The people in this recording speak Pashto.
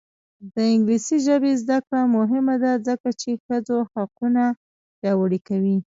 د انګلیسي ژبې زده کړه مهمه ده ځکه چې ښځو حقونه پیاوړي کوي.